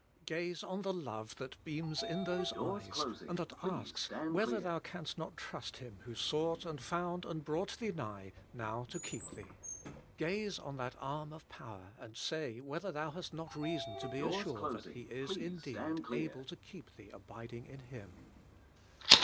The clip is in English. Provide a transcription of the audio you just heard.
Gaze on the love that beams in those eyes, and that asks whether thou canst not trust Him, who sought and found and brought thee nigh, now to keep thee. Gaze on that arm of power, and say whether thou hast not reason to be TRUSTING HIM TO KEEP YOU. 33 assured that He is indeed able to keep thee abiding in Him.